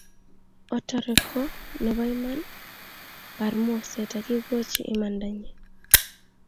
Otore ko nebo iman bar moset akikochi imandanyi